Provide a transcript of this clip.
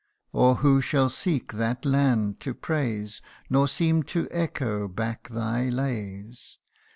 Or who shall seek that land to praise, Nor seem to echo back thy lays